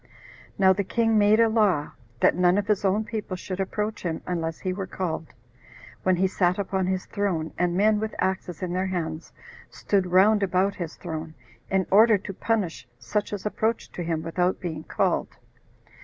3. Now the king had made a law, 17 that none of his own people should approach him unless he were called, when he sat upon his throne and men, with axes in their hands, stood round about his throne, in order to punish such as approached to him without being called.